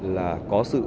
là có sự